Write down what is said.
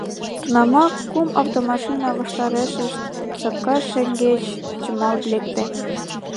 Тунамак кум автомашина ваштарешышт сопка шеҥгеч чымалт лекте.